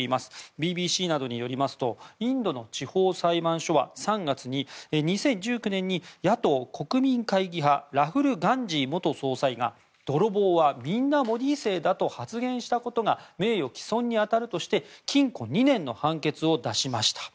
ＢＢＣなどによりますとインドの地方裁判所は３月に２０１９年に野党・国民会議派ラフル・ガンジー元総裁が泥棒はみんなモディ姓だと発言したことが名誉毀損に当たるとして禁錮２年の判決を出しました。